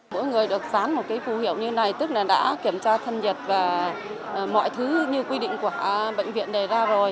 mỗi người được dán một cái phù hiệu như này tức là đã kiểm tra thân nhiệt và mọi thứ như quy định của bệnh viện đề ra rồi